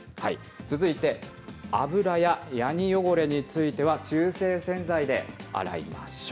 続いて、油やヤニ汚れについては、中性洗剤で洗いましょう。